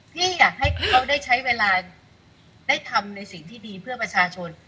พี่อยากให้เขาได้ใช้เวลาได้ทำในสิ่งที่ดีเพื่อประชาชน